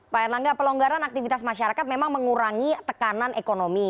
pak erlangga pelonggaran aktivitas masyarakat memang mengurangi tekanan ekonomi